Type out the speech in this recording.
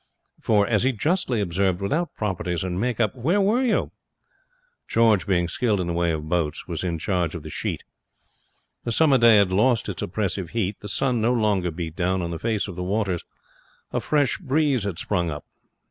For, as he justly observed, without properties and make up, where were you? George, being skilled in the ways of boats, was in charge of the sheet. The summer day had lost its oppressive heat. The sun no longer beat down on the face of the waters. A fresh breeze had sprung up.